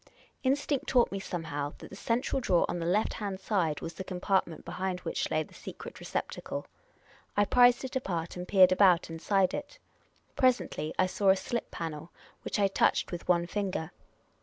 Instinct taught me somehow that the central drawer on the left hand side was the compartment behind which lay the secret receptacle. I prised it apart and peered about inside it. Presently I saw a slip panel, which I touched with one finger.